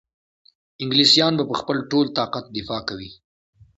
انګلیسیان به په خپل ټول طاقت دفاع کوي.